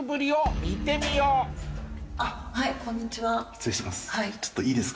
失礼します。